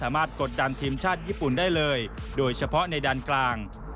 สำคัญในด้านกลาง